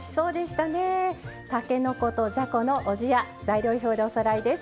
たけのことじゃこのおじや材料表でおさらいです。